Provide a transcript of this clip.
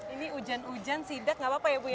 ini hujan hujan sidak nggak apa apa ya bu ya